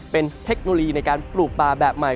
เป็นเทคโนโลยีในการปลูกปลาแบบใหม่